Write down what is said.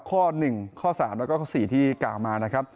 ข้อ๑ข้อ๓แล้วก็ข้อ๔ที่กล่าวมานะครับ